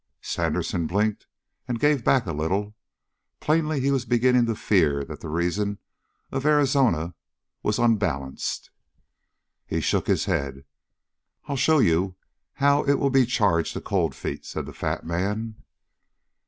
Sandersen blinked and gave back a little. Plainly he was beginning to fear that the reason of Arizona was unbalanced. He shook his head. "I'll show you how it'll be charged to Cold Feet," said the fat man.